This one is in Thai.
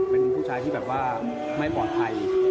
เป็นคุณชายที่ไม่ปลอดภัย